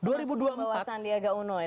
masukin bahwa sandi agak unik